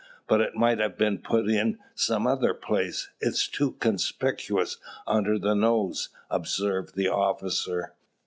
"But it might have been put in some other place: it is too conspicuous under the nose," observed the officer.